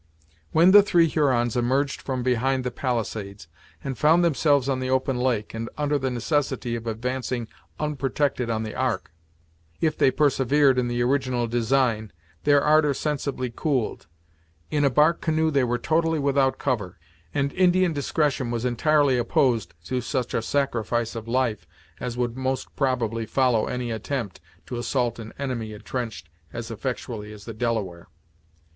When the three Hurons emerged from behind the palisades, and found themselves on the open lake, and under the necessity of advancing unprotected on the Ark, if they persevered in the original design, their ardor sensibly cooled. In a bark canoe they were totally without cover, and Indian discretion was entirely opposed to such a sacrifice of life as would most probably follow any attempt to assault an enemy entrenched as effectually as the Delaware.